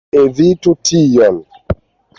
Evitu tion!